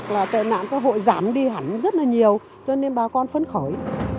là tệ nạn xã hội giảm đi hẳn rất là nhiều cho nên bà con phấn khởi